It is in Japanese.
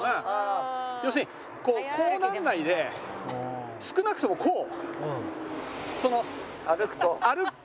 要するにこうならないで少なくともこう。